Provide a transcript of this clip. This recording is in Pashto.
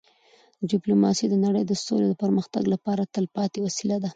ډيپلوماسي د نړی د سولې او پرمختګ لپاره تلپاتې وسیله ده.